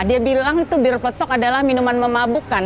dia bilang itu bir photok adalah minuman memabukkan